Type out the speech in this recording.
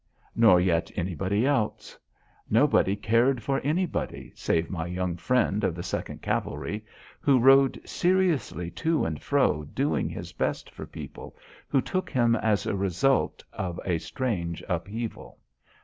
Nor yet anybody else. Nobody cared for anybody save my young friend of the Second Cavalry, who rode seriously to and fro doing his best for people, who took him as a result of a strange upheaval.